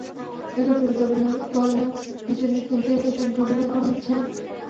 একই ছবিতে অভিনয় করলেও দুজনের কিন্তু একই সঙ্গে অভিনয় করা হচ্ছে না।